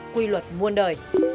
quy luật muôn đời